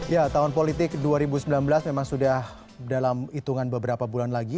ya tahun politik dua ribu sembilan belas memang sudah dalam hitungan beberapa bulan lagi